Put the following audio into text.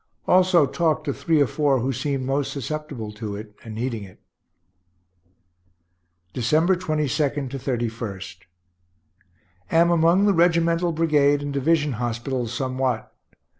Also talked to three or four who seemed most susceptible to it, and needing it. December 22 to 31. Am among the regimental brigade and division hospitals somewhat.